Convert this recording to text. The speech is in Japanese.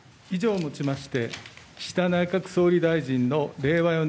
以上をもちまして、岸田内閣総理大臣の令和